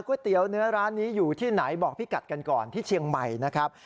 เตี๋ยวเนื้อร้านนี้อยู่ที่ไหนบอกพี่กัดกันก่อนที่เชียงใหม่นะครับ